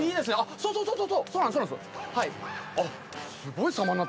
そうそうそうそう！